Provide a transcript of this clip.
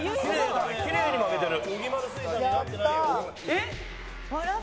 えっ？